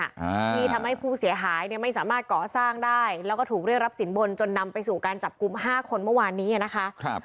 อ่าที่ทำให้ผู้เสียหายเนี่ยไม่สามารถก่อสร้างได้แล้วก็ถูกเรียกรับสินบนจนนำไปสู่การจับกลุ่มห้าคนเมื่อวานนี้อ่ะนะคะครับ